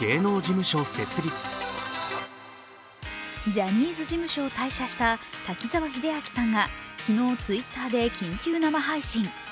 ジャニーズ事務所を退社した滝沢秀明さんが昨日、Ｔｗｉｔｔｅｒで緊急生配信。